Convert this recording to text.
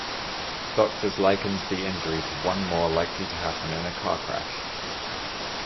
Doctors likened the injury to one more likely to happen in a car crash.